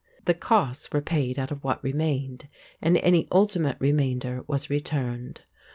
The costs were paid out of what remained, and any ultimate remainder was returned.